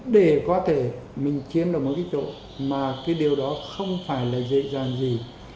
để có thể mình chiến được một cái chỗ mà cái điều đó không phải là dễ dàng gì